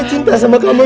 aku tak mau